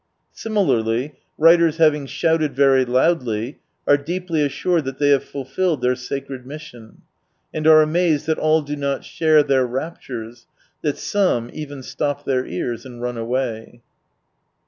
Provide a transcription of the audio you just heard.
Similarly, writers having shouted very loudly, are deeply assured that they have fulfilled their sacred mission, and are amazed that all do not share their raptures, that some even stop their ears and run away.